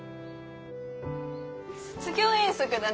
卒業遠足だね。